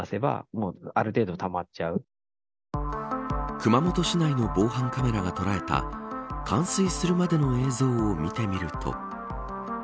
熊本市内の防犯カメラが捉えた冠水するまでの映像を見てみると。